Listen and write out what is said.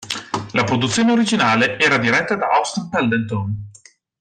La produzione originale era diretta da Austin Pendleton.